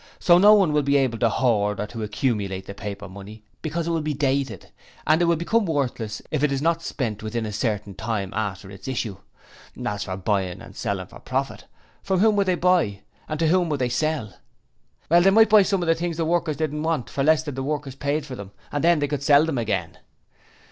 So no one will be able to hoard up or accumulate the paper money because it will be dated, and will become worthless if it is not spent within a certain time after its issue. As for buying and selling for profit from whom would they buy? And to whom would they sell?' 'Well, they might buy some of the things the workers didn't want, for less than the workers paid for them, and then they could sell 'em again.'